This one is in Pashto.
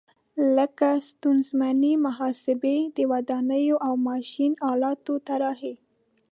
لکه ستونزمنې محاسبې، د ودانیو او ماشین آلاتو طراحي.